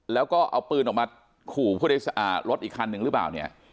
แล้วก็เอาปืนออกมาขู่รถอีกคันนึงหรือเปล่าเนี่ย